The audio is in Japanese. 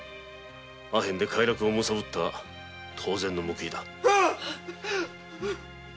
アヘンで快楽をむさぼった当然の報いだ。